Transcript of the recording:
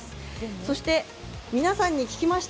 そして皆さんに聞きました。